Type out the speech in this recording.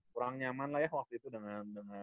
kurang nyaman lah ya waktu itu dengan